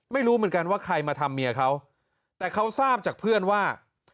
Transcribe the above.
ไม่รู้เหมือนกันว่าใครมาทำเมียเขาแต่เขาทราบจากเพื่อนว่า